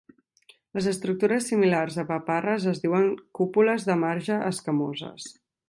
Les estructures similars a paparres es diuen cúpules de marge escamoses.